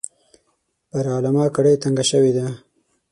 پر علامه کړۍ تنګه شوې ده.